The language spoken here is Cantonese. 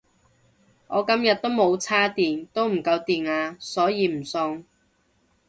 我今日都冇叉電都唔夠電呀所以唔送